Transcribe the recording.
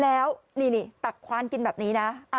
แล้วนี่ตักคว้านกินแบบนี้นะ